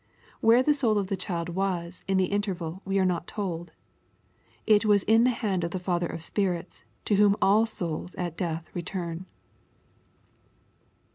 Where the soul of the child was in the interval we are not told. It was in the hand of the Father of spirits, to whom all souls &i death return."